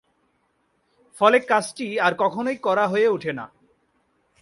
ফলে কাজটি আর কখনোই করা হয়ে ওঠে না।